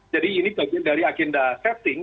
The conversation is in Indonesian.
jadi ini bagian dari agenda setting